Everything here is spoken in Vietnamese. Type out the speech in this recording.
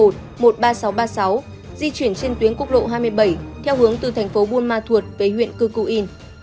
di chuyển trên tuyến quốc lộ hai mươi bảy theo hướng từ thành phố buôn ma thuột về huyện cư cư in